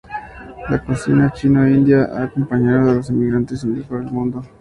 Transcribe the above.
La cocina chino-india ha acompañado a los emigrantes indios por todo el mundo.